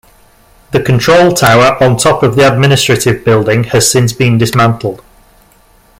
The control tower on top of the administrative building has since been dismantled.